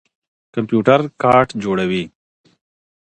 کمپيوټر کارټ جوړوي.